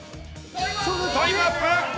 タイムアップ！